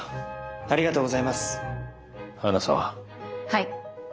はい。